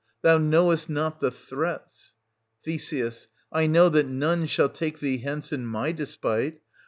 Thou knowest not the threats — Th. I know that none shall take thee hence in my despite.